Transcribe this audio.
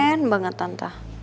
pengen banget tante